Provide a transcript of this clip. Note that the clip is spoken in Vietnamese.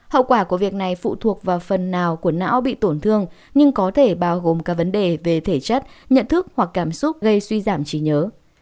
hậu quả của việc này phụ thuộc vào phần nào của não bị tổn thương nhưng có thể bao gồm cả vấn đề về thể chất nhận thức hoặc cảm xúc gây suy giảm trí nhớ